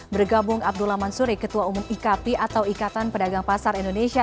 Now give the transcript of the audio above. bergabung abdullah mansuri ketua umum ikp atau ikatan pedagang pasar indonesia